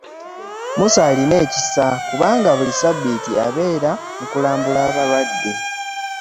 Musa alina ekisa kubanga buli ssabbiiti abeera mu kulambula balwadde.